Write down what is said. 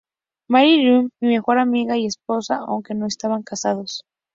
Mary Imlay, mi mejor amiga y esposa", aunque no estaban casados.